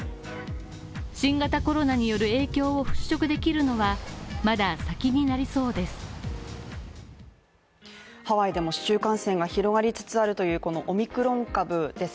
新型コロナによる影響を払拭できるのはまだ先になりそうです。